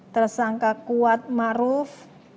tersangka kuat maruf